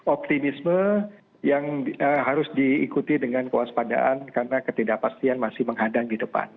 optimisme yang harus diikuti dengan kewaspadaan karena ketidakpastian masih menghadang di depan